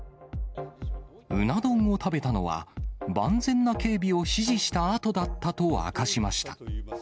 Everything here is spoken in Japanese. うな丼を食べたのは、万全な警備を指示したあとだったと明かしました。